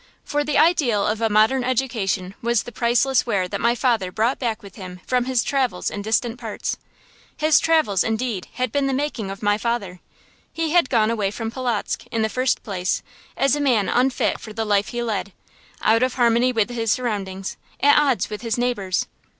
For the ideal of a modern education was the priceless ware that my father brought back with him from his travels in distant parts. His travels, indeed, had been the making of my father. He had gone away from Polotzk, in the first place, as a man unfit for the life he led, out of harmony with his surroundings, at odds with his neighbors.